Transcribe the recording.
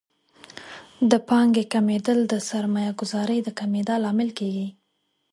د پانګې کمیدل د سرمایه ګذارۍ د کمیدا لامل کیږي.